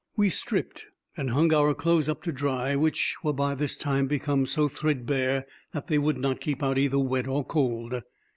We stripped, and hung our clothes up to dry, which were by this time become so threadbare, that they would not keep out either wet or cold.